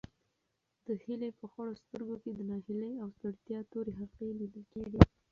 د هیلې په خړو سترګو کې د ناهیلۍ او ستړیا تورې حلقې لیدل کېدې.